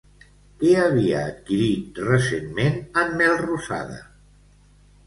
Què havia adquirit recentment en Melrosada?